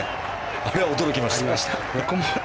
あれは驚きました。